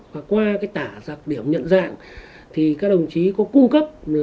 và qua tả giặc điểm nhận dạng thì các đồng chí có cung cấp